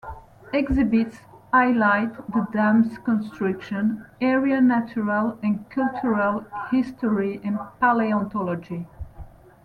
Exhibits highlight the dam's construction, area natural and cultural history and paleontology.